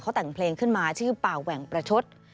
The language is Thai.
เขาแต่งเพลงขึ้นมาชื่อป่าแหว่งประชด